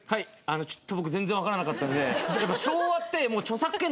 ちょっと僕全然わからなかったんで。